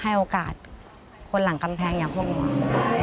ให้โอกาสคนหลังกำแพงอย่างพวกหนู